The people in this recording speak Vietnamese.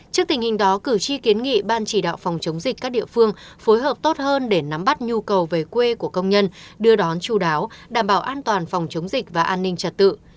trước tình hình đó cử tri kiến nghị ban chỉ đạo phòng chống dịch các địa phương phối hợp tốt hơn để nắm bắt nhu cầu về quê của công nhân đưa đón chú đáo đảm bảo an toàn phòng chống dịch và an ninh trật tự